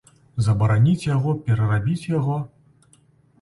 Забараніць яго, перарабіць яго?